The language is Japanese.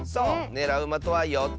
ねらうまとは４つ。